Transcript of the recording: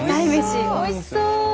おいしそう。